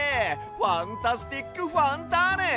ファンタスティックファンターネ！